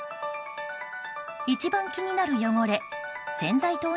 一番気になる汚れ洗剤投入